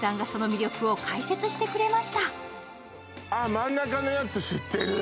真ん中のやつ、知ってる。